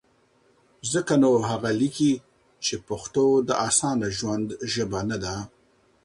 ځکه نو هغه لیکي، چې پښتو د اسانه ژوند ژبه نه ده؛